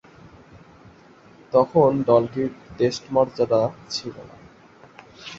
তখন দলটির টেস্ট মর্যাদা ছিল না।